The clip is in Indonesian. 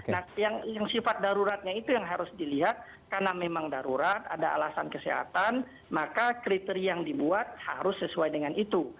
nah yang sifat daruratnya itu yang harus dilihat karena memang darurat ada alasan kesehatan maka kriteria yang dibuat harus sesuai dengan itu